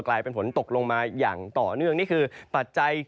แล้วก็สุรราชธานีนะครับ